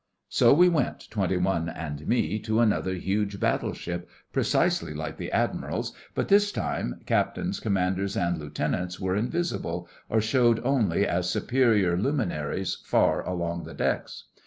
So we went, Twenty One and me, to another huge battleship, precisely like the Admiral's; but this time Captains, Commanders, and Lieutenants were invisible, or showed only as superior luminaries far along the decks.